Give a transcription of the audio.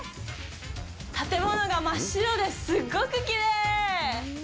建物が真っ白ですっごくきれい！